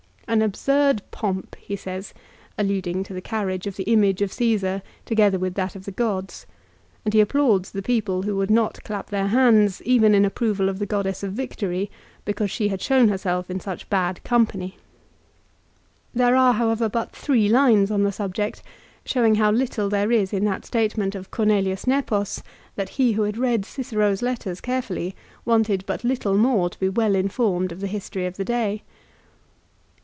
" An absurd pomp," he says, alluding to the carriage of the image of Csesar together with that of the gods ; and he applauds the people who would not clap their hands, even in approval of the Goddess of Victory, because she had shown herself in such bad company. 2 There are, however, but three lines on the subject, showing how 1 Suetonius, " Julius Caesar," ca. xxxvii, 2 Ad Att. xi.i. 44. VOL. II. 194 LIVE OF CICERO. little there is in that statement of Cornelius Nepos that he who had read Cicero's letters carefully wanted but little more to be well informed of the history of the day.